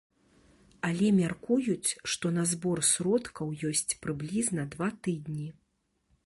Але мяркуюць, што на збор сродкаў ёсць прыблізна два тыдні.